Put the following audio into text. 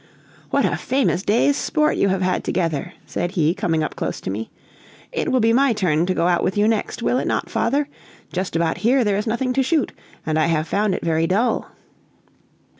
"What a famous day's sport you have had altogether!" said he, coming close up to me. "It will be my turn to go out with you next, will it not, father? Just about here there is nothing to shoot, and I have found it very dull."